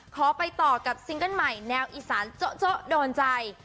ขอไปต่อกับซิงเกิ้ลใหม่แนวอีสานโจ๊ะโดนใจ